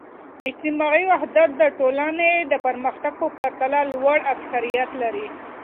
اجتماعي وحدت د ټولنې د پرمختګ په پرتله لوړ اکثریت لري.